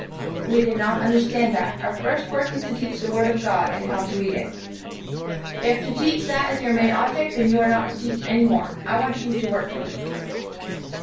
"We did not understand that. Our first work is to teach the Word of God, and how to read it." "If to teach that is your main object, then you are not to teach any more. I want you to work for me."